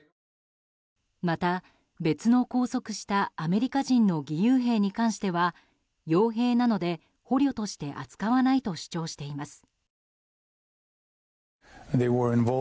また、別の拘束したアメリカ人の義勇兵に関しては傭兵なので捕虜として扱わないと主張しています。